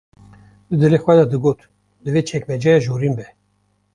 ‘’Di dilê xwe de digot: Divê çekmeceya jorîn be.